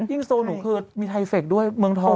ยิ่งโซนุนคือมีไทยเฟรกด้วยเมืองทอบ